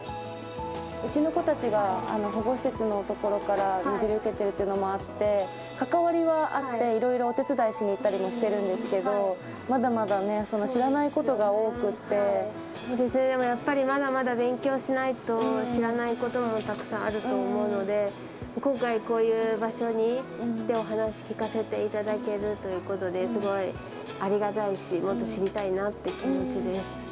うちの子たちが保護施設の所から譲り受けてるっていうのもあって、関わりはあって、いろいろお手伝いしに行ったりもしてるんですけど、まだまだ、やっぱりまだまだ勉強しないと知らないことがたくさんあると思うので、今回、こういう場所に来てお話聞かせていただけるということで、すごいありがたいし、もっと知りたいなっていう気持ちです。